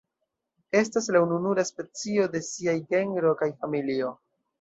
Estas la ununura specio de siaj genro kaj familio.